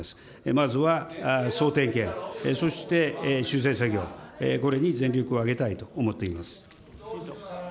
まずは総点検、そして修正作業、これに全力を挙げたいと思っています。